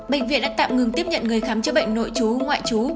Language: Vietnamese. bệnh viện đã tạm ngừng tiếp nhận người khám chữa bệnh nội chú ngoại chú